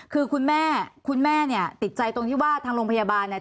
คือคุณแม่คุณแม่เนี่ยติดใจตรงที่ว่าทางโรงพยาบาลเนี่ย